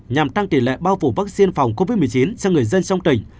nhằm tăng tỷ lệ bao phủ vaccine phòng covid một mươi chín cho người dân trong tỉnh